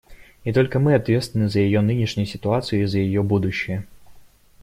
И только мы ответственны за ее нынешнюю ситуацию и за ее будущее.